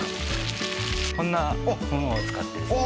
こんなものを使ってですね。